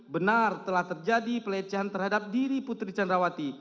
benar telah terjadi pelecehan terhadap diri putri candrawati